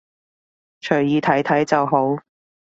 隨意睇睇就好